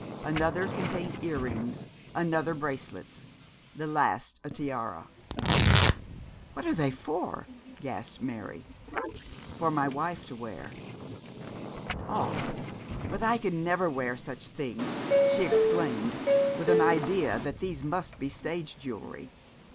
Another contained earrings, another bracelets, the last a tiara. 'What are they for?' gasped Mary. 'For my wife to wear.' 'Oh, but I could never wear such things,' she exclaimed, with an idea that these must be stage jewellery.